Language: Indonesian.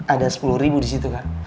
ada sepuluh ribu disitu kak